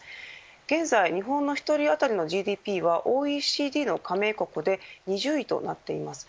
現在、日本の１人当たりのＧＤＰはＯＥＣＤの加盟国で２０位となっています。